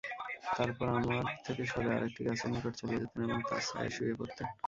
তারপর আমার থেকে সরে আরেকটি গাছের নিকট চলে যেতেন এবং তার ছায়ায় শুয়ে পড়তেন।